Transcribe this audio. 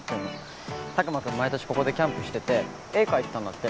毎年ここでキャンプしてて絵描いてたんだって。